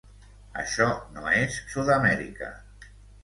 això no és sud-amèrica